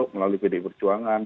melalui bdi perjuangan